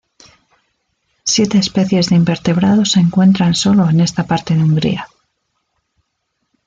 Siete especies de invertebrados se encuentra sólo en esta parte de Hungría.